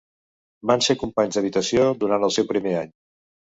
Van ser companys d'habitació durant el seu primer any.